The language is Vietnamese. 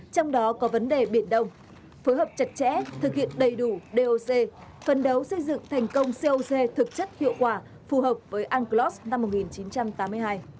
trong đó có vấn đề biển đông phối hợp chặt chẽ thực hiện đầy đủ doc phần đấu xây dựng thành công coc thực chất hiệu quả phù hợp với unclos năm một nghìn chín trăm tám mươi hai